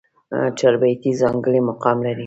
چاربېتې ځانګړی مقام لري.